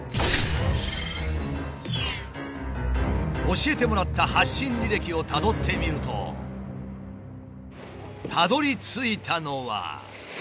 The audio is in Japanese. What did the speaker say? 教えてもらった発信履歴をたどってみるとたどりついたのは。